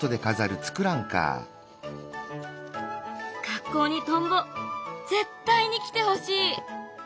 学校にトンボ絶対に来てほしい。